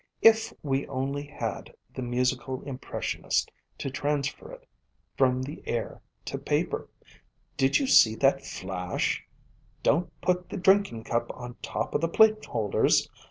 If we only had the musical impressionist to transfer it from the air to paper! Did you see that flash? Don't put the drinking cup on top of the plate holders